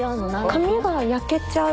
髪が焼けちゃう。